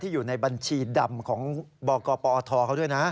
อยู่ในบัญชีดำของบกปอทเขาด้วยนะ